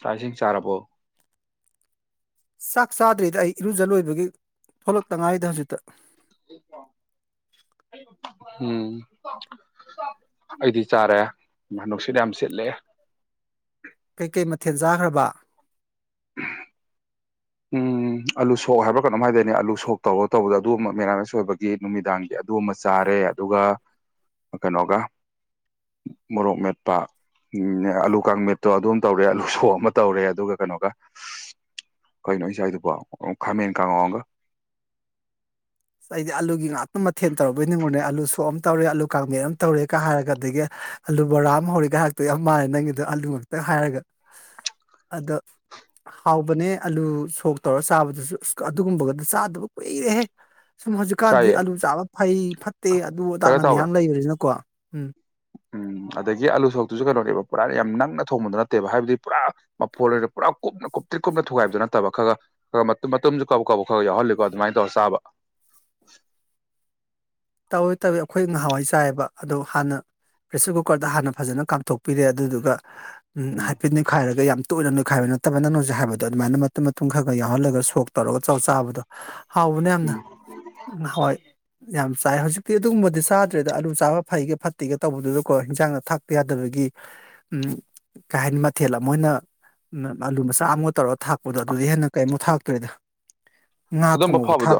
ꯆꯥꯛꯁꯤꯡ ꯆꯥꯔꯕꯣ? ꯆꯥꯛ ꯆꯥꯗ꯭ꯔꯤꯗ ꯑꯩ ꯏꯔꯨꯖ ꯂꯣꯏꯕꯒꯤ ꯊꯣꯛꯂꯛꯇꯉꯥꯏꯗ ꯍꯧꯖꯤꯛꯇ ꯎꯝ ꯑꯩꯗꯤ ꯆꯥꯔꯦ꯫ ꯅꯨꯡꯁꯤꯠ ꯌꯥꯝ ꯁꯤꯠꯂꯦ꯫ ꯀꯩꯀꯩ ꯃꯊꯦꯜ ꯆꯥꯈ꯭ꯔꯕ? [unintelligible] ꯎꯝ ꯑꯥꯂꯨ ꯁꯣꯛ ꯍꯥꯏꯕ꯭ꯔꯥ ꯀꯩꯅꯣꯝ ꯍꯥꯏꯗꯣꯏꯅꯦ ꯑꯥꯂꯨ ꯁꯣꯛ ꯇꯧꯔꯒ ꯇꯧꯕꯗ ꯑꯗꯨꯕ ꯃꯦꯔꯥꯃꯦꯁ ꯑꯣꯏꯕꯒꯤ ꯅꯨꯃꯤꯗꯥꯡꯒꯤ ꯑꯗꯨ ꯑꯃ ꯆꯥꯔꯦ ꯑꯗꯨꯒ ꯀꯩꯅꯣꯒ ꯃꯣꯔꯣꯛ ꯃꯦꯠꯄ ꯎꯝ ꯑꯂꯨ ꯀꯥꯡꯃꯤꯠꯇꯣ ꯑꯗꯨꯝ ꯇꯧꯔꯦ ꯑꯂꯨ ꯁꯣꯛ ꯑꯃ ꯇꯧꯔꯦ ꯑꯗꯨꯒ ꯀꯩꯅꯣꯒ ꯀꯩꯅꯣ ꯏꯁꯋꯥꯏꯗꯨꯕꯣ ꯈꯥꯃꯦꯟ ꯀꯥꯡꯉꯣ ꯑꯃꯒ ꯑꯩꯗꯤ ꯑꯥꯂꯨꯒꯤ ꯉꯥꯛꯇ ꯃꯊꯦꯜ ꯇꯧꯔꯔꯕꯩꯅꯤꯉꯣꯅꯦ ꯑꯥꯂꯨ ꯁꯣꯛ ꯑꯃ ꯇꯧꯔꯦ ꯑꯂꯨ ꯀꯥꯡꯥꯕꯦꯟ ꯑꯃ ꯇꯧꯔꯦꯒ ꯍꯥꯏꯔꯒ ꯑꯗꯒꯤ ꯑꯂꯨ ꯕꯔꯥ ꯍꯧꯔꯦꯒ ꯍꯥꯔꯛꯇꯧ ꯌꯥꯝ ꯃꯥꯥꯟꯂꯦ ꯅꯪꯒꯤꯗ ꯑꯥꯂꯨ ꯈꯛꯇ ꯍꯥꯏꯔꯒ [inaudible] ꯑꯗꯣ ꯍꯥꯎꯕꯅꯦ ꯑꯂꯨ ꯁꯣꯛ ꯇꯧꯔꯥ ꯆꯥꯕꯗꯨꯁꯨ ꯑꯗꯨꯒꯨꯝꯕꯒꯗꯣ ꯆꯥꯗꯕ ꯀꯨꯏꯔꯦꯍꯦ ꯁꯨꯝ ꯍꯧꯖꯤꯛꯀꯥꯟꯗꯤ ꯆꯥꯏꯌꯦ ꯑꯂꯨ ꯆꯥꯕ ꯐꯩ ꯐꯠꯇꯦ ꯑꯗꯨ ꯀꯩꯅꯣ ꯑꯗꯥꯅ ꯇꯧꯋꯦ ꯃꯌꯥꯝ ꯂꯩꯕꯅꯤꯅꯀꯣ ꯎꯝ ꯎꯝ ꯑꯗꯒꯤ ꯑꯂꯨ ꯁꯣꯛꯇꯨꯁꯨ ꯀꯩꯅꯣꯅꯦꯕ ꯄꯨꯔꯥ ꯌꯥꯝ ꯅꯪꯅ ꯊꯣꯡꯕꯗꯨ ꯅꯠꯇꯦꯕ ꯍꯥꯏꯕꯗꯤ ꯄꯨꯔꯥ ꯃꯐꯣꯟꯗ ꯄꯨꯔꯥ ꯀꯨꯞꯅ ꯀꯨꯞꯇꯤꯔꯤ ꯀꯨꯞꯅ ꯊꯨꯒꯥꯏꯕꯗꯨ ꯅꯠꯇꯕ ꯈꯔ ꯃꯇꯨꯝꯁꯨ ꯀꯥꯕꯛ ꯀꯥꯕꯛ ꯌꯥꯎꯍꯜꯂꯤꯀꯣ ꯑꯗꯨꯃꯥꯏꯅ ꯇꯧꯔ ꯆꯥꯕ ꯇꯧꯏ ꯇꯧꯏ ꯑꯩꯈꯣꯏ ꯉꯍꯥꯟꯋꯥꯏ ꯆꯥꯏꯑꯥꯕ ꯑꯗꯣ ꯍꯥꯟꯅ ꯄ꯭ꯔꯦꯁꯔ ꯀꯨꯀꯔꯗ ꯍꯥꯟꯅ ꯐꯖꯅ ꯀꯥꯞꯊꯣꯛꯄꯤꯔꯦ ꯑꯗꯨꯗꯨꯒ ꯎꯝ ꯍꯥꯏꯐꯦꯠ ꯅꯣꯏꯠꯈꯥꯏꯔꯒ ꯌꯥꯝ ꯇꯣꯏꯅ ꯅꯣꯏꯈꯥꯏꯕ ꯅꯠꯇꯕ ꯅꯪꯅ ꯍꯧꯖꯤꯛ ꯍꯥꯏꯕꯗꯣ ꯑꯗꯨꯃꯥꯏꯅ ꯃꯇꯨꯡ ꯃꯇꯨꯝ ꯈꯔꯒ ꯌꯥꯎꯍꯜꯂꯒ ꯁꯣꯛ ꯇꯧꯔꯒ ꯆꯥꯕꯗꯣ ꯍꯥꯎꯕꯅ ꯌꯥꯝꯅ ꯍꯋꯥꯏ ꯌꯥꯝ ꯆꯥꯏ ꯍꯧꯖꯤꯛꯇꯤ ꯑꯗꯨꯒꯨꯝꯕꯗꯤ ꯆꯥꯗ꯭ꯔꯦꯗ ꯑꯂꯨ ꯆꯥꯕ ꯐꯩꯒ ꯐꯠꯇꯦꯒ ꯇꯧꯕꯗꯨꯗꯀꯣ ꯍꯤꯟꯖꯥꯡꯅ ꯊꯥꯛꯇ ꯌꯥꯗꯕꯒꯤ ꯎꯝ ꯀꯩ ꯍꯥꯏꯅꯤ ꯃꯊꯦꯜ ꯑꯃꯅ ꯑꯜꯂꯨ ꯃꯆꯥ ꯑꯃꯒ ꯇꯧꯔꯒ ꯊꯥꯛꯄꯗꯣ ꯑꯗꯨꯗꯤ ꯍꯦꯟꯅ ꯀꯩꯃꯨꯛ ꯊꯥꯛꯇꯣꯏꯗ ꯑꯗꯨꯝꯕ ꯐꯕꯗꯣ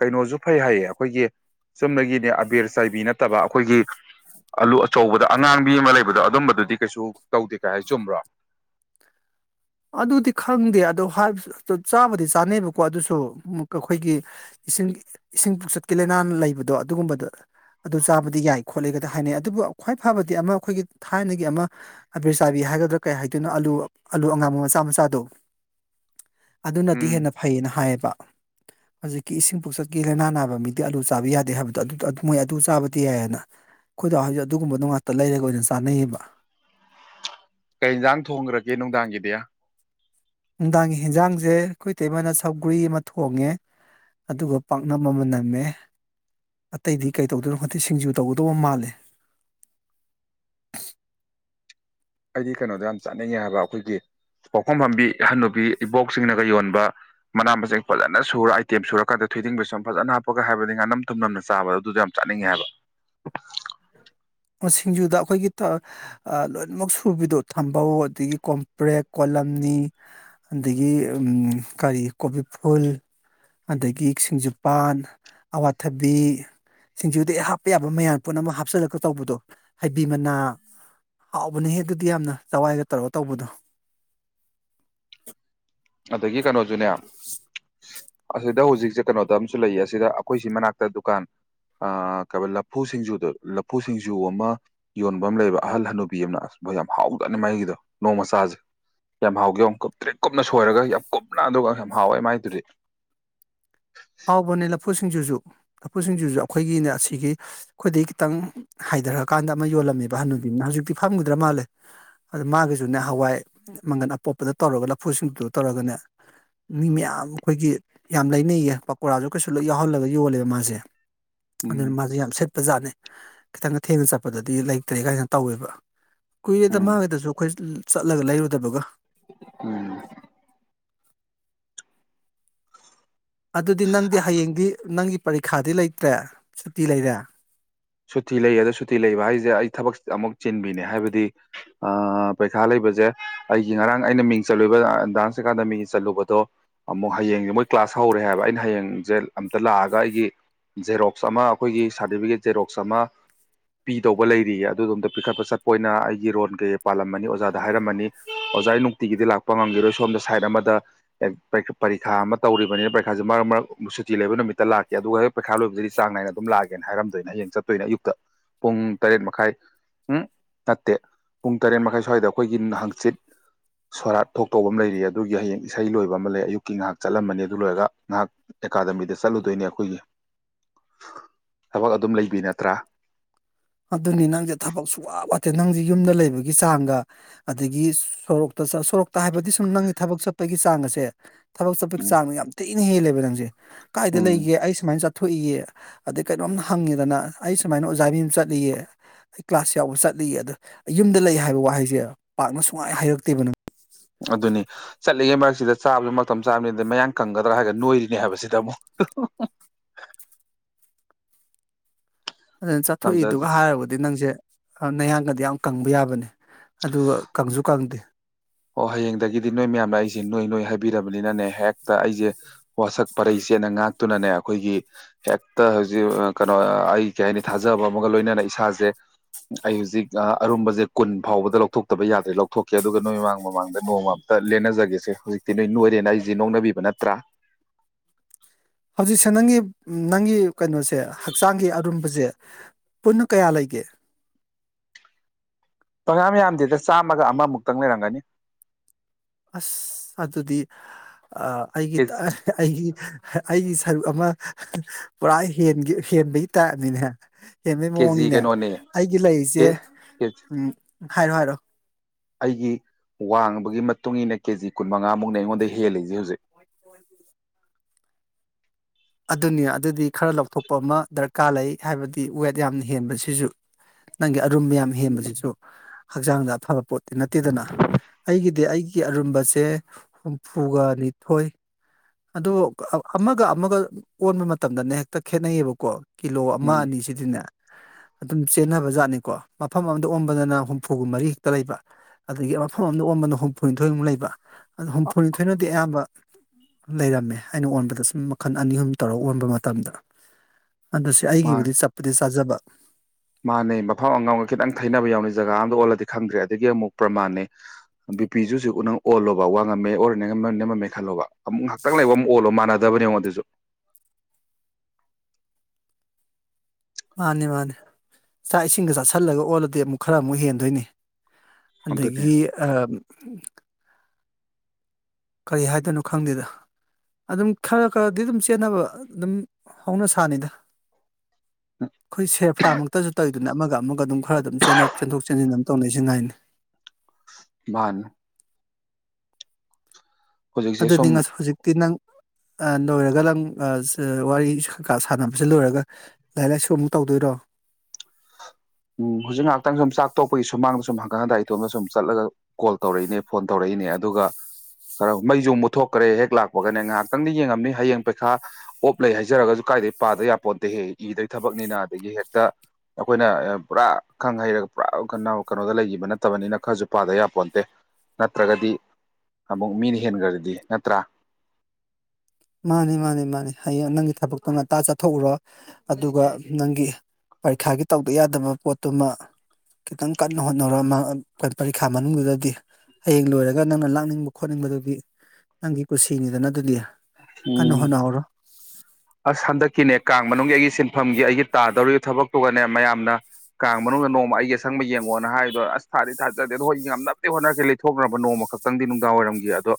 ꯀꯩꯅꯣꯁꯨ ꯐꯩ ꯍꯥꯏꯌꯦ ꯑꯩꯈꯣꯏꯒꯤ ꯆꯨꯝꯅꯒꯤꯅꯦ ꯑꯕꯦꯔ ꯆꯥꯏꯕꯤ ꯅꯠꯇꯕ ꯑꯩꯈꯣꯏꯒꯤ ꯑꯂꯨ ꯑꯆꯧꯕꯗ ꯑꯉꯥꯡꯕꯤ ꯑꯃ ꯂꯩꯕꯗꯣ ꯑꯗꯨꯝꯕꯗꯨꯗꯤ ꯀꯩꯁꯨ ꯇꯧꯗꯦ ꯀꯥꯏ ꯍꯥꯏ ꯆꯨꯝꯕ꯭ꯔꯣ ꯑꯗꯨꯗꯤ ꯈꯪꯗꯦ ꯑꯗꯣ ꯆꯥꯕꯗꯤ ꯆꯥꯅꯩꯕꯀꯣ ꯑꯗꯨꯁꯨ ꯑꯩꯈꯣꯏꯒꯤ ꯏꯁꯤꯡ ꯏꯁꯤꯡ ꯄꯨꯆꯠꯀꯤ ꯂꯥꯏꯅꯥ ꯂꯩꯕꯗꯣ ꯑꯗꯨꯒꯨꯝꯕꯗ ꯑꯗꯨ ꯆꯥꯕꯗꯤ ꯌꯥꯏ ꯈꯣꯠꯂꯦꯒꯗ ꯍꯥꯏꯅꯩ ꯑꯗꯨꯕꯨ ꯈ꯭ꯋꯥꯏ ꯐꯕꯗꯤ ꯑꯃ ꯑꯩꯈꯣꯏꯒꯤ ꯊꯥꯏꯅꯒꯤ ꯑꯃ ꯍꯥꯕꯤꯔ ꯆꯥꯕꯤ ꯍꯥꯏꯒꯗ꯭ꯔꯥ ꯀꯩ ꯍꯥꯏꯗꯣꯏꯅꯣ ꯑꯥꯂꯨ ꯑꯉꯥꯡ ꯃꯆꯥ ꯃꯆꯥꯗꯣ ꯑꯗꯨꯅꯗꯤ ꯎꯝ ꯍꯦꯟꯅ ꯐꯩꯌꯦꯅ ꯍꯥꯏꯌꯦꯕ ꯍꯧꯖꯤꯛꯀꯤ ꯏꯁꯤꯡ ꯅꯨꯡꯁꯤꯠꯀꯤ ꯂꯥꯏꯅꯥ ꯅꯥꯕ ꯃꯤꯗꯤ ꯑꯂꯨ ꯆꯥꯕ ꯌꯥꯗꯦ ꯍꯥꯏꯕꯗꯣ ꯃꯣꯏ ꯑꯗꯨ ꯆꯥꯕꯗꯤ ꯌꯥꯏꯌꯦꯕ ꯑꯩꯈꯣꯏꯗꯣ ꯍꯧꯖꯤꯛ ꯑꯗꯨꯒꯨꯝꯕꯗꯣ ꯉꯥꯛꯇ ꯂꯩꯔꯒ ꯑꯣꯏꯅ ꯆꯥꯟꯅꯩꯌꯦꯕ ꯀꯩ ꯌꯦꯟꯖꯥꯡ ꯊꯣꯡꯈ꯭ꯔꯒꯦ ꯅꯨꯡꯗꯥꯡꯒꯤꯗꯤ ꯅꯨꯡꯗꯥꯡꯒꯤ ꯍꯟꯖꯥꯡꯁꯦ ꯑꯩꯈꯣꯏ ꯇꯩꯃꯅ ꯁꯧꯒꯔꯤ ꯑꯃ ꯊꯣꯡꯉꯦ ꯑꯗꯨꯒ ꯄꯥꯛꯅꯝ ꯑꯃ ꯅꯝꯃꯦ ꯑꯇꯩꯗꯤ ꯀꯩ ꯇꯧꯗꯣꯏꯅꯣ ꯈꯪꯗꯦ ꯁꯤꯡꯖꯨ ꯇꯧꯗꯧ ꯃꯥꯜꯂꯦ ꯑꯩꯗꯤ ꯀꯩꯅꯣꯗꯣ ꯌꯥꯝ ꯆꯥꯅꯤꯡꯉꯦ ꯍꯥꯏꯕ ꯑꯩꯈꯣꯏꯒꯤ ꯄꯥꯎꯈꯨꯝ ꯐꯥꯝꯕꯤ ꯑꯍꯟ ꯍꯥꯟꯅꯨꯕꯤ ꯏꯕꯣꯛꯁꯤꯡꯅꯒ ꯌꯣꯟꯕ ꯃꯅꯥ ꯃꯁꯤꯡ ꯐꯖꯅ ꯁꯨꯔ ꯑꯥꯏꯇꯦꯝ ꯁꯨꯔꯀꯥꯟꯗ ꯊꯣꯏꯗꯤꯡꯕ ꯁꯨꯝ ꯐꯖꯅ ꯍꯥꯞꯄꯒ ꯍꯥꯏꯕꯗꯤ ꯉꯥꯅꯝ ꯊꯨꯝꯅꯝꯅ ꯆꯥꯕ ꯑꯗꯨꯗ ꯌꯥꯝ ꯆꯠꯅꯤꯡꯉꯦ ꯍꯥꯏꯕ ꯁꯤꯡꯖꯨꯗ ꯑꯩꯈꯣꯏꯒꯤ ꯂꯣꯏꯅꯃꯛ ꯁꯨꯕꯤꯗꯣ ꯊꯝꯕ ꯑꯗꯒꯤ ꯀꯣꯝꯄ꯭ꯔꯦꯛ ꯀꯣꯂꯝꯅꯤ ꯑꯗꯒꯤ ꯀꯔꯤ ꯀꯣꯕꯤ ꯐꯨꯜ ꯑꯗꯒꯤ ꯢꯁꯤꯡꯖꯨꯄꯥꯟ ꯑꯋꯥꯊꯥꯕꯤ ꯁꯤꯡꯖꯨꯗꯩ ꯍꯥꯞꯄ ꯌꯥꯕ ꯃꯌꯥꯝ ꯄꯣꯠ ꯑꯃ ꯍꯥꯞꯆꯜꯂꯛꯄ ꯇꯧꯕꯗꯣ ꯍꯩꯕꯤ ꯃꯅꯥ ꯍꯥꯎꯕꯅꯍꯦ ꯑꯗꯨꯗꯤ ꯌꯥꯝꯅ ꯍꯥꯋꯥꯏꯒ ꯇꯧꯔꯒ ꯇꯧꯕꯗꯣ ꯑꯗꯒꯤ ꯀꯩꯅꯣꯁꯨꯅꯦ ꯑꯁꯤꯗ ꯍꯧꯖꯤꯛꯁꯦ ꯀꯩꯅꯣꯗ ꯑꯝꯁꯨ ꯂꯩꯌꯦ ꯑꯁꯤꯗ ꯑꯩꯈꯣꯏꯁꯤ ꯃꯅꯥꯛꯇ ꯗꯨꯀꯥꯟ ꯑ ꯀꯩꯕ ꯂꯐꯨ ꯁꯤꯡꯖꯨꯗ‌ꯣ ꯂꯐꯨ ꯁꯤꯡꯖꯨ ꯑꯃ ꯌꯣꯟꯕ ꯑꯃ ꯂꯩꯕ ꯑꯍꯜ ꯍꯟꯅꯨꯕꯤ ꯑꯃꯅ ꯑꯁ ꯚꯥꯏ ꯌꯥꯝ ꯍꯥꯎꯖꯥꯠꯅꯤ ꯃꯥꯏꯒꯤꯗꯣ ꯅꯣꯡꯃ ꯆꯥꯖ‌ꯦ ꯌꯥꯝ ꯍꯥꯎꯒꯦ ꯌ‌ꯦꯡꯉꯨ ꯀꯨꯞ ꯇꯔꯦꯠ ꯀꯨꯞꯅ ꯁꯣꯏꯔꯒ ꯌꯥꯝ ꯀꯨꯞꯅ ꯑꯗꯨꯒ ꯌꯥꯝ ꯍꯥꯎꯋꯦ ꯃꯥꯏꯗꯨꯗꯤ ꯍꯥꯎꯕꯅꯦ ꯂꯐꯨ ꯁꯤꯡꯖꯨꯁꯨ ꯂꯐꯨꯁꯤꯡꯖꯨꯁꯨ ꯑꯩꯈꯣꯏꯒꯤꯅꯦ ꯑꯁꯤꯒꯤ ꯑꯩꯈꯣꯏꯗꯩ ꯈꯤꯇꯪ ꯍꯥꯏꯊꯔꯀꯥꯟꯗ ꯑꯃ ꯌꯣꯜꯂꯝꯃꯦꯕ ꯍꯅꯨꯕꯤ ꯑꯝꯅ ꯍꯧꯖꯤꯛꯇꯤ ꯐꯝꯒꯤꯗ꯭ꯔꯥ ꯃꯥꯜꯂꯦ ꯑꯗꯨ ꯃꯥꯒꯤꯁꯨꯅꯦ ꯍꯋꯥꯏ ꯃꯪꯒꯟ ꯑꯄꯣꯞꯄꯗ ꯇꯧꯔꯒ ꯂꯐꯨꯁꯤꯡꯖꯨꯗꯨ ꯇꯧꯔꯒꯅꯦ ꯃꯤ ꯃꯌꯥꯝ ꯑꯩꯈꯣꯏꯒꯤ ꯌꯥꯝ ꯂꯩꯅꯩꯌꯦ ꯄꯀꯣꯔꯥꯁꯨ ꯀꯩꯁꯨ ꯂꯣꯏ ꯌꯥꯎꯍꯜꯂꯒ ꯌꯣꯜꯂꯦꯕ ꯃꯥꯖ‌ꯦ ꯑꯗꯨꯅ ꯎꯝ ꯃꯥꯖ‌ꯦ ꯌꯥꯝ ꯁꯤꯠ ꯕꯖꯥꯠꯅꯦ ꯈꯤꯇꯪꯒ ꯊꯦꯡꯅ ꯆꯠꯄꯗꯗꯤ ꯂꯩꯇ꯭ꯔꯦ ꯀꯥꯏꯅ ꯇꯧꯋꯦꯕ ꯀꯨꯏꯔꯦꯗ ꯎꯝ ꯃꯥꯥꯒꯤꯗꯁꯨ ꯑꯩꯈꯣꯏ ꯆꯠꯂꯒ ꯂꯩꯔꯨꯗꯕꯒ [unintelligible] ꯑꯗꯨꯗꯤ ꯅꯪꯗꯤ ꯍꯌꯦꯡꯗꯤ ꯅꯪꯒꯤ ꯄꯔꯤꯈꯥꯗꯤ ꯂꯩꯇ꯭ꯔꯦ ꯁꯨꯇꯤ ꯂꯩꯔꯦ ꯁꯨꯇꯤ ꯂꯩ ꯑꯗꯣ ꯁꯨꯇꯤ ꯂꯩꯕ ꯍꯥꯏꯁꯦ ꯑꯩ ꯊꯕꯛ ꯑꯃꯨꯛ ꯆꯤꯟꯕꯤꯅꯦ ꯍꯥꯏꯕꯗꯤ ꯑꯥ ꯄꯩꯈꯥ ꯂꯩꯕꯖ‌ꯦ ꯑꯩꯒꯤ ꯉꯔꯥꯡ ꯑꯩꯅ ꯃꯤꯡ ꯆꯜꯂꯨꯏꯕ ꯗꯥꯟꯁ ꯑꯦꯀꯥꯗꯃꯤꯒꯤ ꯆꯜꯂꯨꯕꯗꯣ ꯑꯃꯨꯛ ꯍꯌꯦꯡ ꯃꯣꯏ ꯀ꯭ꯂꯥꯁ ꯍꯧꯔꯦ ꯍꯥꯏꯕ ꯑꯩꯅ ꯍꯌꯦꯡꯖ‌ꯦ ꯑꯝꯇ ꯂꯥꯛꯑꯒ ꯑꯩꯒꯤ ꯖꯦꯔꯣꯛꯁ ꯑꯃ ꯑꯩꯈꯣꯏꯒꯤ ꯁꯥꯔꯇꯤꯐꯤꯀꯦꯠ ꯖꯦꯔꯣꯛꯁ ꯑꯃ ꯄꯤꯗꯧꯕ ꯂꯩꯔꯤꯌꯦ ꯑꯗꯨꯗꯣꯝꯇ ꯄꯤꯈꯠꯄ ꯆꯠꯄ ꯑꯣꯏꯅ ꯑꯩꯒꯤ ꯔꯣꯟ ꯀꯩ ꯄꯥꯜꯂꯝꯃꯅꯤ ꯑꯣꯖꯥꯗ ꯍꯥꯏꯔꯝꯃꯅꯤ ꯑꯣꯖꯥ ꯑꯩ ꯅꯨꯡꯇꯤꯒꯤꯗꯤ ꯂꯥꯛꯄ ꯉꯝꯈꯤꯔꯣꯏ ꯁꯣꯝꯗ ꯁꯥꯏꯠ ꯑꯃꯗ ꯄ ꯩ ꯄ ꯄꯔꯤꯈꯥ ꯑꯃ ꯇꯧꯔꯤꯕꯅꯤꯅ ꯄꯩꯈꯥꯁꯤ ꯃꯔꯛ ꯃꯔꯛ ꯁꯨꯇꯤ ꯂꯩꯕ ꯅꯨꯃꯤꯠꯇ ꯂꯥꯛꯀꯦ ꯑꯗꯨꯒ ꯍ‌ꯦꯛ ꯄꯩꯈꯥ ꯂꯣꯏꯕꯗꯩꯗꯤ ꯆꯥꯡ ꯅꯥꯏꯅ ꯑꯗꯨꯝ ꯂꯥꯛꯑꯒꯦꯅ ꯍꯥꯏꯔꯝꯗꯣꯏꯅꯦ ꯍꯌꯦꯡ ꯆꯠꯇꯣꯏꯅ‌ꯦ ꯑꯌꯨꯛꯇ ꯄꯨꯡ ꯇꯔꯦꯠ ꯃꯈꯥꯏ ꯎꯝ ꯅꯠꯇꯦ ꯄꯨꯡ ꯇꯔꯦꯠ ꯃꯈꯥꯏ ꯁ꯭ꯋꯥꯏꯗ ꯑꯩꯈꯣꯏꯒꯤ ꯍꯪꯆꯤꯠ ꯁꯣꯔꯥꯠ ꯊꯣꯛꯇꯧꯕ ꯑꯃ ꯂꯩꯔꯤ ꯑꯗꯨꯒꯤ ꯍꯌꯦꯡ ꯏꯁꯩ ꯂꯣꯏꯕ ꯑꯃ ꯂꯩ ꯑꯌꯨꯛꯀꯤ ꯉꯥꯍꯥꯛ ꯆꯠꯂꯝꯃꯅꯤ ꯑꯗꯨ ꯂꯣꯏꯔꯒ ꯉꯥꯍꯥꯛ꯫ ꯑꯦꯀꯥꯗꯃꯤꯗ ꯆꯠꯂꯨꯗꯣꯏꯅꯦ ꯑꯩꯈꯣꯏꯒꯤ꯫ ꯊꯕꯛ ꯑꯗꯨꯝ ꯂꯩꯕꯤ ꯅꯠꯇ꯭ꯔꯥ꯫ ꯑꯗꯨꯅꯤ ꯅꯪꯁꯦ ꯊꯕꯛ ꯁꯨꯛꯋꯥꯠ ꯋꯥꯠꯇꯦ ꯅꯪꯖꯦ ꯌꯨꯝꯗ ꯂꯩꯕꯒꯤ ꯆꯥꯡꯒ꯫ ꯑꯗꯒꯤ ꯁꯣꯔꯣꯛꯇ ꯆ ꯁꯣꯔꯣꯛꯇ ꯍꯥꯏꯕꯗꯤ ꯁꯨꯝ ꯅꯪꯒꯤ ꯊꯕꯛ ꯆꯠꯄꯒꯤ ꯆꯥꯡ ꯑꯁꯦ꯫ ꯊꯕꯛ ꯆꯠꯄꯒꯤ ꯎꯝ ꯆꯥꯡꯅ ꯌꯥꯝ ꯊꯤꯅ ꯍꯦꯜꯂꯦꯕ ꯅꯪꯁꯦ ꯀꯥꯏꯗ ꯎꯝ ꯂꯩꯒꯦ ꯑꯩ ꯁꯨꯃꯥꯏ ꯆꯠ ꯊꯣꯛꯏꯌꯦ ꯑꯗꯩ ꯀꯩꯅꯣꯝ ꯍꯪꯉꯦꯗꯅ ꯑꯩ ꯁꯨꯃꯥꯏꯅ ꯑꯣꯖꯥꯏ ꯃꯌꯨꯝ ꯆꯠꯂꯤꯌꯦ꯫ ꯑꯩ ꯀ꯭ꯂꯥꯁ ꯌꯥꯎꯕ ꯆꯠꯂꯤꯌ‌ꯦ ꯑꯗ ꯌꯨꯝꯗ ꯂꯩ ꯍꯥꯏꯕ ꯋꯥꯍꯩꯁꯦ ꯄꯥꯛꯅ ꯁꯨꯡꯍꯥꯏ ꯍꯥꯏꯔꯛꯇꯦꯕ ꯅꯪ_꯫ ꯑꯗꯨꯅꯤ꯫ ꯆꯠꯂꯤꯉꯩ ꯃꯔꯛꯁꯤꯗ ꯆꯥꯕꯁꯨ ꯃꯇꯝ ꯆꯥꯕ ꯅꯠꯇꯦ ꯃꯌꯥꯡ ꯀꯪꯒꯗ꯭ꯔꯥ ꯍꯥꯏꯔꯒ ꯅꯣꯏꯔꯤꯅꯦ ꯍꯥꯏꯕ ꯁꯤꯗ ꯑꯃꯨꯛ꯫ ꯑ ꯆꯠꯊꯣꯛꯏꯗꯨꯒ ꯉꯝꯖꯗꯦ ꯍꯥꯏꯔꯨꯔꯗꯤ ꯅꯪꯁꯦ ꯅꯌꯥꯡꯒꯗꯤ ꯌꯥꯝ ꯀꯪꯕ ꯌꯥꯕꯅꯦ꯫ ꯑꯗꯨꯒ ꯀꯪꯖꯨ ꯀꯪꯗꯦ꯫ ꯑꯣ ꯍꯌꯦꯡꯗꯒꯤꯗꯤ ꯅꯣꯏ ꯃꯌꯥꯝꯅ ꯑꯩꯁꯦ ꯅꯣꯏ ꯅꯣꯏ ꯍꯥꯏꯕꯤꯔꯕꯅꯤꯅꯅꯦ ꯍꯦꯛꯇ ꯑꯩꯖ‌ꯦ ꯋꯥꯁꯛ꯫ ꯄꯔꯩ ꯆꯦꯠꯅ ꯉꯥꯛꯇꯨꯅꯅꯦ ꯑꯩꯈꯣꯏꯒꯤ꯫ ꯍꯦꯛꯇ ꯍꯧꯖꯤꯛ ꯀꯩꯅꯣ ꯑꯩ ꯀꯩ ꯍꯥꯏꯅꯤ ꯊꯥꯖꯕ ꯑꯃꯒ ꯂꯣꯏꯅꯅ ꯏꯁꯥꯁꯦ꯫ ꯑꯩ ꯍꯧꯖꯤꯛ ꯑ ꯑꯔꯨꯝꯕꯁꯦ ꯀꯨꯟ ꯐꯥꯎꯕꯗ ꯂꯧꯊꯣꯛꯇꯕ ꯌꯥꯗ꯭ꯔꯦ ꯂꯧꯊꯣꯛꯀꯦ ꯑꯗꯨꯒ ꯅꯣꯏ ꯃꯥꯡ꯫ ꯃꯃꯥꯡꯗ ꯅꯣꯡꯃ ꯑꯝꯇ ꯂꯦꯟꯅꯖꯒꯦꯁꯦ ꯍꯧꯖꯤꯛꯇꯤ ꯅꯣꯏ ꯅꯣꯏꯔꯦꯅ ꯑꯩꯁꯦ ꯅꯣꯛꯅꯕꯤꯕ ꯅꯠꯇ꯭ꯔꯥ꯫ ꯍꯧꯖꯤꯛꯁꯦ ꯅꯪꯒꯤ ꯅꯪꯒꯤ ꯀꯩꯅꯣꯁꯦ ꯍꯛꯆꯥꯡꯒꯤ ꯑꯔꯨꯝꯕꯖ‌ꯦ꯫ ꯄꯨꯟꯅ ꯀꯌꯥ ꯂꯩꯒꯦ꯫ ꯄꯪꯌꯥꯝ ꯌꯥꯝꯗꯦꯗ ꯆꯥꯝꯃꯒ ꯑꯃ ꯃꯨꯛꯇꯪ ꯂꯩꯔꯝꯒꯅꯤ꯫ ꯑꯁ ꯑꯗꯨꯗꯤ ꯑꯥ ꯑꯩꯒꯤ ꯀꯦꯖꯤ ꯑꯩꯒꯤ ꯑꯩꯒꯤ ꯁꯔꯨꯛ ꯑꯃ꯫ ꯄꯨꯔꯥ ꯍꯦꯟꯒꯦ ꯍꯦꯟꯕꯩ ꯇꯥꯏꯞꯅꯤꯅꯦ ꯍꯦꯟꯕꯩ ꯀꯦꯖꯤ ꯃꯑꯣꯡꯅꯤꯅꯦ ꯀꯩꯅꯣꯅꯦ ꯑꯩꯒꯤ ꯂꯩꯔꯤꯁꯦ ꯀꯦ ꯀꯦꯖꯤ ꯎꯝ ꯍꯥꯏꯔꯣ ꯍꯥꯏꯔꯣ ꯑꯩꯒꯤ ꯋꯥꯡꯕꯒꯤ ꯃꯇꯨꯡ ꯏꯟꯅ ꯀꯦꯖꯤ ꯀꯨꯟꯃꯉꯥꯃꯨꯛꯅꯦ ꯑꯩꯉꯣꯟꯗꯩꯩ ꯍꯦꯜꯂꯤꯖꯦ ꯍꯧꯖꯤꯛ꯫ ꯑꯗꯨꯅꯤ ꯑꯗꯨꯗꯤ ꯈꯔ ꯂꯧꯊꯣꯛꯄ ꯑꯃ ꯗꯔꯀꯥꯔ ꯂꯩ ꯍꯥꯏꯕꯗꯤ ꯋꯦꯠ ꯌꯥꯝ ꯍꯦꯟꯕꯁꯤꯁꯨ ꯅꯪꯒꯤ ꯑꯔꯨꯝꯕ ꯌꯥꯝ ꯍꯦꯟꯕꯁꯤꯖꯨ ꯍꯛꯆꯥꯡꯗ ꯑꯐꯕ ꯄꯣꯠꯇꯤ ꯅꯠꯇꯦꯗꯅ ꯑꯩꯒꯤꯗꯤ ꯑꯩꯒꯤ ꯑꯔꯨꯝꯕꯁꯦ ꯍꯨꯝꯐꯨꯒ ꯅꯤꯊꯣꯏ꯫ ꯑꯗꯣ ꯑꯃꯒ ꯑꯃꯒ ꯑꯣꯟꯕ ꯃꯇꯝꯗꯅꯦ ꯍꯦꯛꯇ ꯈꯦꯠꯅꯩꯌꯦꯕꯀꯣ꯫ ꯀꯤꯂꯣ ꯑꯃ ꯎꯝ ꯑꯅꯤ ꯁꯤꯗꯤꯅꯦ ꯑꯗꯨꯝ ꯆꯦꯟꯅꯕ ꯖꯥꯠꯅꯤꯀꯣ ꯃꯐꯝ ꯑꯃꯗ ꯑꯣꯟꯕꯗꯅ ꯍꯨꯝꯐꯨꯒ ꯃꯔꯤ ꯍꯦꯛꯇ ꯂꯩꯕ ꯑꯗꯒꯤ ꯃꯐꯝ ꯑꯃꯗ ꯑꯣꯟꯕꯗꯅ ꯍꯨꯝꯐꯨꯅꯤꯊꯣꯏ ꯑꯃꯨꯛ ꯂꯩꯕ ꯑꯗꯨ ꯍꯨꯝꯐꯨꯅꯤꯊꯣꯏꯅꯗꯤ ꯑꯌꯥꯝꯕ ꯂꯩꯔꯝꯃꯦ ꯑꯩꯅ ꯑꯣꯟꯕꯗ ꯁꯨꯝ ꯃꯈꯜ ꯑꯅꯤ ꯑꯍꯨꯝ ꯇꯧꯔ ꯑꯣꯟꯕ ꯃꯇꯝꯗ꯫ ꯑꯗꯨ ꯁꯤ ꯃꯥꯅꯦ ꯑꯩꯒꯤꯕꯨꯗꯤ ꯆꯠꯄꯨꯗꯤ ꯆꯥꯖꯕ ꯃꯥꯅꯦ ꯃꯐꯝ ꯑꯝꯒ ꯑꯝꯒ ꯈꯤꯇꯪ ꯊꯩꯅꯕ ꯌꯥꯎꯕꯅꯦ ꯖꯒꯥ ꯑꯝꯗ ꯑꯣꯜꯂꯗꯤ ꯈꯪꯗ꯭ꯔꯦ ꯑꯗꯒꯤ ꯑꯃꯨꯛ ꯄꯔꯥꯃꯥꯟꯅꯦ ꯕꯤꯄꯤꯖꯨ ꯍꯧꯖꯤꯛ ꯅꯪ ꯑꯣꯜꯂꯣꯕ ꯋꯥꯡꯉꯝꯃꯦ ꯑꯣꯔ ꯅꯦꯌꯦ_ ꯅꯦꯝꯃꯝꯃꯦ ꯈꯜꯂꯣꯕ ꯑꯃꯨꯛ ꯉꯥꯛꯇꯪ ꯂꯩꯕ ꯑꯃꯨꯛ ꯑꯣꯜꯂꯣ ꯃꯅꯗꯕꯅꯦ ꯌꯦꯡꯑꯣ ꯑꯗꯨꯖꯨ ꯃꯥꯟꯅꯦ ꯃꯥꯟꯅꯦ ꯆꯥꯛ ꯏꯁꯤꯡꯒ ꯆꯥꯁꯤꯜꯂꯒ ꯑꯣꯜꯂꯗꯤ ꯑꯃꯨꯛ ꯈꯔ ꯑꯃꯨꯛ ꯍꯦꯟꯗꯣꯢꯅꯦ ꯑꯗꯨꯅꯦ ꯑꯗꯒꯤ ꯑꯥ ꯀꯔꯤ ꯍꯥꯏꯗꯨꯅꯣ ꯈꯪꯗꯦꯗ ꯑꯗꯨꯝ ꯈꯔ ꯈꯔꯗꯤ ꯑꯗꯨꯝ ꯆꯦꯟꯅꯕ ꯑꯗꯨꯝ ꯍꯧꯅ ꯁꯥꯅꯤꯗ ꯈꯣꯏ ꯁꯦꯔ ꯐꯂꯥ ꯃꯨꯛꯇꯁꯨ ꯇꯧ_ ꯗꯨꯅꯤ ꯑꯃꯒ ꯑꯃꯒ ꯑꯗꯨꯝ ꯈꯔ ꯑꯗꯨꯝ ꯆꯦꯟꯅ ꯆꯦꯟꯊꯣꯛ ꯆꯦꯟꯁꯤꯟ ꯗꯨꯝ ꯇꯧꯅꯩꯁꯦ ꯉꯥꯏꯅꯦ ꯃꯥꯅꯤ ꯍꯧꯖꯤꯛꯁꯦ ꯑꯗꯨꯅꯤ ꯁꯨꯝ ꯉ_ ꯍꯧꯖꯤꯛꯇꯤ ꯅꯪ ꯑꯥ ꯅꯣꯏꯔꯒ ꯂꯪ ꯑꯥ ꯁꯦ ꯋꯥꯔꯤ ꯀꯩꯀꯥ ꯁꯥꯟꯅꯕꯁꯦ ꯂꯣꯏꯔꯒ ꯂꯥꯏꯔꯤꯛ ꯂꯥꯏꯁꯨ ꯑꯃꯨꯛ ꯇꯧꯗꯨꯏꯔꯣ ꯎꯝ ꯍꯧꯖꯤꯛ ꯉꯥꯛꯍꯇꯪ ꯁꯨꯝ ꯆꯥꯛ ꯇꯣꯛꯄꯒꯤ ꯁꯨꯃꯥꯡꯗ ꯁꯨꯝ ꯍꯪꯀꯠ ꯍꯟꯗꯥ ꯏꯇꯣꯝꯇ ꯁꯨꯝ ꯆꯠꯂꯒ ꯀꯣꯜ ꯇꯧꯔꯛꯏꯅꯦ ꯐꯣꯟ ꯇꯧꯔꯛꯏꯅꯦ ꯑꯗꯨꯒ ꯈꯔ ꯃꯩꯁꯨ ꯃꯨꯠꯊꯣꯛꯈ꯭ꯔꯦ ꯍꯦꯛ ꯂꯥꯛꯄꯒꯅꯦ ꯉꯥꯍꯥꯛꯇꯪꯗꯤ ꯌꯦꯡꯉꯝꯃꯤ ꯍꯌꯦꯡ ꯄꯩꯈꯥ ꯑꯣꯞ ꯂꯩ ꯍꯥꯏꯖꯔꯒꯁꯨ ꯀꯥꯏꯗꯩꯒꯤ ꯄꯥꯗ ꯌꯥꯄꯣꯟꯇꯦꯍꯦ ꯏꯗ ꯊꯕꯛꯅꯤꯅ ꯑꯗꯒꯤ ꯍꯦꯛꯇ ꯑꯩꯈꯣꯏꯅ ꯄꯨꯔꯥ ꯈꯪ ꯍꯩꯔꯒ ꯄꯨꯔꯥ ꯀ ꯀꯩꯅꯣꯗ ꯂꯩꯈꯤꯕ ꯅꯠꯇꯕꯅꯤꯅ ꯈꯔꯁꯨ ꯄꯥꯗ ꯌꯥꯄꯣꯟꯇꯦ ꯅꯠꯇ꯭ꯔꯒꯗꯤ ꯑꯃꯨꯛ ꯃꯤꯅ ꯍꯦꯟꯈ꯭ꯔꯗꯤ ꯅꯠꯇ꯭ꯔꯥ ꯃꯥꯅꯦ ꯃꯥꯅꯦ ꯃꯥꯅꯦ ꯍꯌꯦꯡ ꯅꯪꯒꯤ ꯊꯕꯛꯇꯣ ꯉꯥꯛꯇꯥ ꯆꯠꯊꯣꯛꯎꯔꯣ ꯑꯗꯨꯒ ꯅꯪꯒꯤ ꯄꯔꯤꯈꯥꯒꯤ ꯇꯧꯗ ꯌꯥꯗꯕ ꯄꯣꯠꯇꯨꯃ ꯈꯤꯇꯪ ꯀꯟꯅ ꯍꯣꯠꯅꯔꯣ ꯄꯔꯤꯈꯥ ꯃꯅꯨꯡꯗꯨꯗꯗꯤ ꯍꯌꯦꯡ ꯂꯣꯏꯔꯒ ꯅꯪꯅ ꯂꯥꯛꯅꯤꯡꯕ ꯈꯣꯠꯅꯤꯡꯕꯗꯨꯗꯤ ꯅꯪꯒꯤ ꯀꯨꯁꯤꯅꯤꯗꯅ ꯑꯗꯨꯗꯤ ꯀꯟꯅ ꯎꯝ ꯍꯣꯠꯅꯍꯧꯔꯣ ꯑꯁ ꯍꯟꯗꯛꯀꯤꯅꯦ ꯀꯥꯡ ꯃꯅꯨꯡꯒꯤ ꯑꯩꯒꯤ ꯁꯤꯟꯐꯝꯒꯤ ꯑꯩꯒꯤ ꯇꯥꯗꯧꯔꯤꯕ ꯊꯕꯛꯇꯨꯒꯅꯦ ꯃꯌꯥꯝꯅ ꯀꯥꯡ ꯃꯅꯨꯡꯗ ꯅꯣꯡꯃ ꯑꯩꯒꯤ ꯑꯁꯪꯕ ꯌꯦꯡꯉꯣꯑꯣꯅ ꯍꯥꯏꯕꯗꯣ ꯑꯁ ꯊꯥꯗꯤ ꯊꯥꯖꯗꯦ ꯑꯣ ꯍꯣꯏ ꯉꯝꯅꯕꯗꯤ ꯍꯣꯠꯅꯔꯛꯦ ꯂꯩꯊꯣꯛꯈ꯭ꯔꯅꯕ ꯅꯣꯡꯃꯈꯛ ꯈꯤꯇꯪꯗꯤ ꯅꯨꯡꯗꯥꯡ ꯋꯥꯏꯔꯝꯒꯤ ꯑꯗꯣ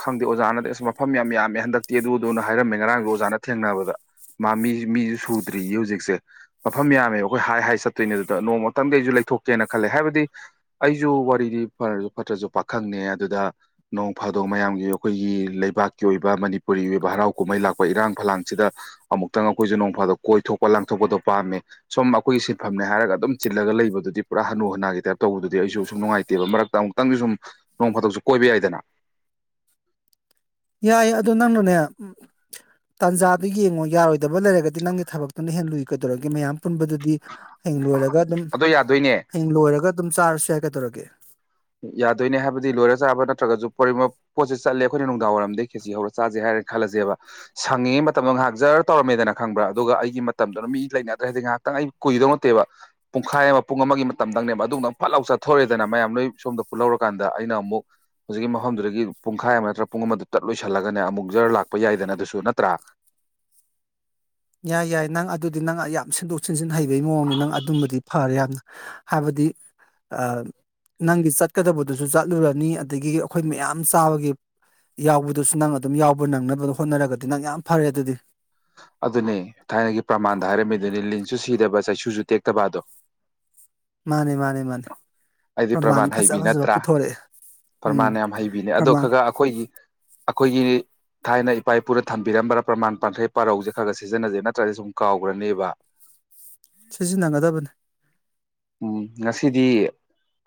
ꯈꯪꯗꯦ ꯑꯣꯖꯥꯅꯗꯤ ꯑꯁ ꯃꯐꯝ ꯌꯥꯝ ꯌꯥ ꯃꯦ ꯍꯟꯗꯛꯇꯤ ꯑꯗꯨ ꯑꯗꯨꯅ ꯍꯥꯏꯔꯝꯃꯦ ꯉꯔꯥꯡꯗꯣ ꯑꯣꯖꯥꯅ ꯊꯦꯡꯅꯕꯗ ꯃꯥ ꯃꯤ ꯃꯤꯁꯨ ꯁꯨꯗ꯭ꯔꯤꯌꯦ ꯍꯧꯖꯤꯛꯁꯦ ꯃꯐꯝ ꯌꯥꯝꯃꯦꯕ ꯑꯩꯈꯣꯏ ꯍꯥꯏ ꯆꯠꯇꯣꯏꯅꯦ ꯑꯗꯨꯗ ꯅꯣꯡꯃ ꯃꯇꯝꯒꯤ ꯑꯩꯁꯨ ꯂꯩꯊꯣꯛꯀꯦꯅ ꯈꯜꯂꯦ ꯍꯥꯏꯕꯗꯤ ꯑꯩꯖꯨ ꯋꯥꯔꯤꯗꯤ ꯐꯔꯁꯨ ꯐꯠꯇ꯭ꯔꯁꯨ ꯄꯥꯈꯪꯅꯦ ꯑꯗꯨꯗ ꯅꯣꯡ ꯐꯥꯗꯣꯡ ꯃꯌꯥꯝꯒꯤ ꯑꯩꯈꯣꯏꯒꯤ ꯂꯩꯕꯥꯛꯀꯤ ꯑꯣꯏꯕ ꯃꯅꯤꯄꯨꯔꯤ ꯑꯣꯏꯕ ꯍꯔꯥꯎ ꯀꯨꯝꯍꯩ ꯂꯥꯛꯄ ꯏꯔꯥꯡ ꯐꯂꯥꯡꯁꯤꯗ ꯑꯃꯨꯛꯇꯪ ꯑꯩꯈꯣꯏꯁꯨ ꯅꯣꯡꯐꯥꯗꯣꯛ ꯀꯣꯏꯊꯣꯛꯄ ꯂꯥꯡꯊꯣꯛꯄꯗꯣ ꯄꯥꯝꯃꯦ ꯁꯣꯨꯝ ꯑꯩꯈꯣꯏꯒꯤ ꯁꯤꯟꯐꯝꯅꯦ ꯍꯥꯏꯔꯒ ꯑꯗꯨꯝ ꯆꯤꯜꯂꯒ ꯂꯩꯕꯗꯨꯗꯤ ꯄꯨꯔꯥ ꯍꯥꯅꯨ ꯍꯅꯥꯒꯤ ꯇꯥꯏꯞ ꯇꯧꯕꯗꯨꯗꯤ ꯑꯩꯁꯨ ꯁꯨꯝ ꯅꯨꯡꯉꯥꯏꯇꯦ ꯅꯠꯇꯦꯕ ꯃꯔꯛꯇ ꯑꯃꯨꯛꯇꯪꯗꯤ ꯁꯨꯝ ꯅꯣꯡ ꯐꯥꯗꯣꯛꯁꯨ ꯀꯣꯏꯕ ꯌꯥꯏꯗꯅ ꯌꯥꯏ ꯑꯗꯨ ꯅꯪꯅꯅꯦ ꯎꯝ ꯇꯥꯟꯖꯥꯗꯨꯣ ꯌꯦꯡꯉꯣ ꯌꯥꯔꯣꯏꯗꯕ ꯂꯩꯔꯒꯗꯤ ꯅꯪꯒꯤ ꯊꯕꯛꯇꯨꯅ ꯍꯦ ꯂꯨꯏ ꯀꯩꯗꯧꯔꯒꯦ ꯃꯌꯥꯝ ꯄꯨꯟꯕꯗꯨꯗꯤ ꯍꯦꯂꯣꯏꯔꯒ ꯑꯗꯣ ꯌꯥꯗꯣꯏꯅꯦ ꯍꯡ ꯂꯣꯏꯔꯒ ꯑꯗꯨꯝ ꯆꯥꯔꯁꯨ ꯌꯥꯏ ꯀꯩꯗꯧꯔꯒꯦ ꯌꯥꯗꯣꯏꯅꯦ ꯍꯥꯏꯕꯗꯤ ꯂꯣꯏꯔ ꯆꯥꯕ ꯅꯠꯇ꯭ꯔꯒꯁꯨ ꯄꯣꯔꯤꯃꯛ ꯄꯣꯠꯁꯤ ꯆꯠꯂꯦ ꯑꯩꯈꯣꯏ ꯅꯨꯡꯡꯏꯔꯝꯗꯦꯁꯤ ꯍꯧꯔ ꯆꯥꯁꯦ ꯍꯥꯏꯔꯒ ꯈꯜꯂꯁꯦꯕ ꯁꯪꯉꯤꯉꯩ ꯃꯇꯝꯗꯣ ꯉꯥꯏꯍꯥꯛ ꯖꯔ ꯇꯧꯔꯝꯃꯦꯗꯅ ꯈꯪꯕ꯭ꯔꯥ ꯑꯗꯨꯒ ꯑꯩꯒꯤ ꯃꯇꯝꯗꯨꯅ ꯃꯤ ꯂꯩꯅꯗ꯭ꯔꯦ ꯍꯥꯏꯗꯤ ꯉꯥꯏꯍꯥꯛ ꯈꯤꯇꯪ ꯑꯩ ꯀꯨꯏꯗꯧ ꯅꯠꯇꯦꯕ ꯄꯨꯡꯈꯥꯏ ꯑꯃ ꯄꯨꯡ ꯑꯃꯒꯤ ꯃꯇꯝꯗꯪꯅꯦꯕ ꯑꯗꯨꯒꯗꯪ ꯐꯠ ꯂꯥꯎ ꯆꯠꯊꯣꯔꯦꯗꯅ ꯃꯌꯥꯝ ꯂꯣꯏ ꯁꯣꯝꯗ ꯄꯨꯜꯂꯧꯔꯀꯥꯟꯗ ꯑꯩꯅ ꯑꯃꯨꯛ ꯍꯧꯖꯤꯛꯀꯤ ꯃꯐꯝꯗꯨꯗꯒꯤ ꯄꯨꯡꯈꯥꯏ ꯑꯃ ꯅꯠꯇ꯭ꯔꯒ ꯄꯨꯡ ꯑꯃꯗ ꯇꯠ ꯂꯣꯏꯁꯤꯜꯂꯒꯅꯦ ꯑꯃꯨꯛ ꯖꯔ ꯂꯥꯛꯄ ꯌꯥꯏꯗꯅ ꯑꯗꯨꯁꯨ ꯅꯠꯇ꯭ꯔꯥ ꯌꯥꯏ ꯌꯥꯏ ꯅꯪ ꯑꯗꯨꯗꯤ ꯅꯪ ꯌꯥꯝ ꯁꯤꯟꯗꯣꯛ ꯁꯤꯟꯖꯤꯟ ꯍꯩꯕꯒꯤ ꯃꯑꯣꯡꯅꯦ ꯅꯪ ꯑꯗꯨꯝꯕꯗꯤ ꯐꯔꯦ ꯌꯥꯝꯅ ꯍꯥꯏꯕꯗꯤ ꯅꯪꯒꯤ ꯆꯠꯀꯗꯕꯗꯨꯁꯨ ꯆꯠꯂꯨꯔꯅꯤ ꯑꯗꯒꯤ ꯑꯩꯈꯣꯏ ꯃꯌꯥꯝ ꯆꯥꯕꯒꯤ ꯌꯥꯎꯕꯗꯨꯁꯨ ꯅꯪ ꯑꯗꯨꯝ ꯌꯥꯎꯕ ꯅꯪꯅꯕꯅ ꯍꯣꯠꯅꯔꯒꯗꯤ ꯅꯪ ꯌꯥꯝ ꯐꯔꯦ ꯑꯗꯨꯗꯤ ꯑꯗꯨꯅꯦ ꯊꯥꯏꯅꯒꯤ ꯄ꯭ꯔꯃꯥꯟꯗ ꯍꯥꯏꯔꯝꯃꯤꯗꯨꯅꯤ ꯂꯤꯟꯁꯨ ꯁꯤꯗꯕ ꯆꯩꯁꯨ ꯇꯦꯛꯇꯕ ꯑꯗꯣ ꯃꯥꯅꯦ ꯃꯥꯅꯦ ꯃꯥꯅꯦ ꯍꯥꯏꯗꯤ ꯄ꯭ꯔꯃꯥꯟꯁꯦ ꯄ꯭ꯔꯃꯥꯟ ꯐꯖ ꯍꯩꯕꯤ ꯐꯖꯕ ꯅꯠꯇ꯭ꯔꯥ ꯄꯨꯊꯣꯔꯛꯑꯦ ꯄ꯭ꯔꯃꯥꯟ ꯎꯝ ꯌꯥꯝ ꯍꯩꯕꯤꯅꯦ ꯑꯗꯣ ꯄ꯭ꯔꯃꯥꯟ ꯈꯔ ꯈ ꯑꯩꯈꯣꯏꯒꯤ ꯑꯩꯈꯣꯏꯒꯤ ꯊꯥꯏꯅ ꯏꯄꯥ ꯏꯄꯨꯅ ꯊꯝꯕꯤꯔꯝꯕꯔꯥ ꯄ꯭ꯔꯃꯥꯟ ꯄꯥꯟꯈꯩ ꯄꯥꯔꯧꯁꯦ ꯈꯔ ꯈ ꯁꯤꯖꯤꯟꯅꯖꯦ ꯅꯠꯇ꯭ꯔꯗꯤ ꯁꯨꯝ ꯀꯥꯎꯈ꯭ꯔꯅꯦꯕ ꯁꯤꯖꯤꯟꯅꯒꯗꯕꯅꯤ ꯎꯝ ꯉꯁꯤꯗꯤ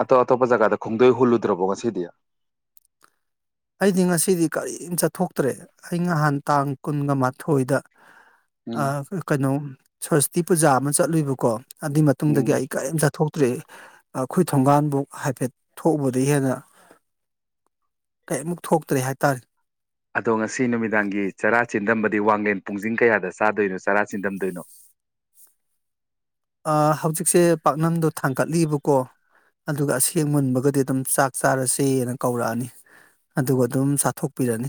ꯑꯇꯣꯞ ꯑꯇꯣꯞꯄ ꯖꯒꯥꯗ ꯈꯣꯡꯗꯣꯏ ꯍꯨꯜꯂꯨꯗ꯭ꯔꯕꯣ ꯉꯁꯤꯗꯤ ꯑꯩꯗꯤ ꯉꯁꯤꯗꯤ ꯀꯔꯤꯝ ꯆꯠꯊꯣꯛꯇ꯭ꯔꯦ ꯑꯩ ꯅꯍꯥꯟ ꯇꯥꯡ ꯀꯨꯟꯒ ꯃꯥꯊꯣꯏꯗ ꯎꯝ ꯀꯩꯅꯣ ꯁ꯭ꯔꯁꯇꯤ ꯄꯨꯖꯥ ꯑꯃ ꯆꯠꯂꯨꯏꯕꯀꯣ ꯑꯗꯨꯏ ꯃꯇꯨꯡꯗꯒꯤ ꯎꯝ ꯑꯩ ꯀꯔꯤꯝ ꯆꯠꯊꯣꯛꯇ꯭ꯔꯤ ꯑꯩꯈꯣꯏ ꯊꯣꯡꯒꯥꯟꯐꯧ ꯍꯥꯏꯐꯦꯠ ꯊꯣꯛꯎꯕꯗ ꯍꯦꯟꯅ ꯀꯩꯃꯨꯛ ꯊꯣꯛꯇ꯭ꯔꯦ ꯍꯥꯏꯇꯥꯔꯦ ꯑꯗꯣ ꯉꯁꯤ ꯅꯨꯃꯤꯗꯥꯡꯒꯤ ꯆꯔꯥ ꯆꯤꯟꯗꯝꯝꯕꯗꯤ ꯋꯥꯡꯂꯦꯟ ꯄꯨꯡꯖꯤꯡ ꯀꯌꯥꯗ ꯆꯥꯗꯣꯏꯅꯣ ꯆꯔꯥ ꯆꯤꯟꯗꯝꯗꯣꯏꯅꯣ ꯍꯧꯖꯤꯛꯁꯦ ꯄꯥꯛꯅꯝꯗꯣ ꯊꯥꯡꯒꯠꯂꯤꯕꯀꯣ ꯑꯗꯨꯒ ꯑꯁꯦꯡ ꯃꯨꯟꯕꯒꯗꯤ ꯑꯗꯨꯝ ꯆꯥꯛ ꯆꯥꯔꯁꯦꯅ ꯀꯧꯔꯛꯑꯅꯤ ꯑꯗꯨꯒ ꯑꯗꯨꯝ ꯆꯥꯊꯣꯛꯄꯤꯔꯅꯤ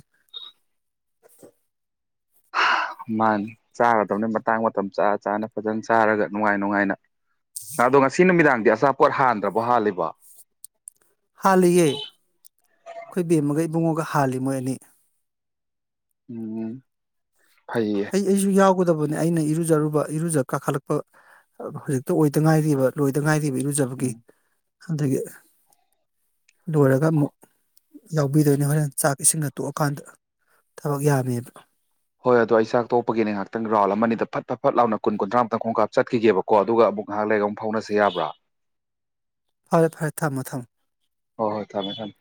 ꯃꯥꯅꯤ ꯆꯥꯒꯗꯕꯅꯤ ꯃꯇꯥꯡ ꯃꯇꯝ ꯆꯥ ꯆꯥꯅ ꯐꯖꯅ ꯆꯥꯔꯒ ꯅꯨꯡꯉꯥꯏ ꯅꯨꯡꯉꯥꯏꯅ ꯑꯗꯣ ꯉꯁꯤ ꯅꯨꯃꯤꯗꯥꯡꯗꯤ ꯑꯆꯥꯄꯣꯠ ꯍꯥꯟꯗ꯭ꯔꯕ ꯍꯥꯜꯂꯤꯕ ꯍꯥꯜꯂꯤꯌꯦ ꯑꯩꯈꯣꯏꯕꯦꯝꯃꯒ ꯏꯕꯨꯡꯉꯣꯒ ꯍꯥꯜꯂꯤ ꯃꯣꯏ ꯑꯅꯤ ꯎꯝ ꯐꯩꯌꯦ ꯑꯩ ꯑꯩꯁꯨ ꯌꯥꯎꯒꯗꯕꯅꯦ ꯑꯩꯅ ꯏꯔꯨꯖꯔꯨꯕ ꯏꯔꯨꯖ ꯀꯥꯈꯠꯂꯛꯄ ꯍꯧꯖꯤꯛꯇ ꯑꯣꯏꯗ ꯉꯥꯏꯔꯤꯕ ꯂꯣꯏꯗ ꯉꯥꯏꯔꯤꯕ ꯎꯝ ꯏꯔꯨꯖꯕꯒꯤ ꯑꯗꯒꯤ ꯂꯣꯏꯔꯒ ꯑꯃꯨꯛ ꯌꯥꯎꯕꯤꯗꯣꯏꯅꯦ ꯍꯣꯔꯦꯟ ꯆꯥꯛ ꯏꯁꯤꯡꯅ ꯇꯣꯛꯑꯀꯥꯟꯗ ꯊꯕꯛ ꯌꯥꯝꯃꯦꯕ ꯍꯣꯏ ꯑꯗꯣ ꯑꯩ ꯆꯥꯛꯣꯛꯄꯒꯤ ꯉꯥꯏꯍꯥꯛꯇꯪ ꯔꯥꯎꯜ ꯑꯃ ꯅꯤꯗ ꯐꯠ ꯐꯠ ꯂꯥꯎꯅ ꯀꯨꯟ ꯀꯨꯟꯊ꯭ꯔꯥꯃꯨꯛꯇꯪ ꯈꯣꯡ ꯀꯥꯞ ꯆꯠꯈꯤꯒꯦꯕ ꯀꯣ ꯑꯗꯨꯒ ꯑꯃꯨꯛ ꯉꯥꯏꯍꯥꯛ ꯂꯩꯒ ꯑꯃ ꯐꯥꯎꯅꯁꯤ ꯌꯥꯕ꯭ꯔꯥ ꯐꯔꯦ ꯐꯔꯦ ꯊꯝꯃꯣ ꯊꯝꯃꯣ ꯍꯣꯏ ꯍꯣꯏ ꯊꯝꯃꯦ ꯊꯝꯃꯦ